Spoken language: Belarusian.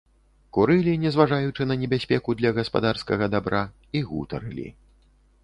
Курылі, не зважаючы на небяспеку для гаспадарскага дабра, і гутарылі.